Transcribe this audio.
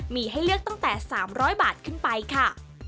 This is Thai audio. มีให้เลือกตั้งแต่๓๐๐บาทขึ้นไปค่ะ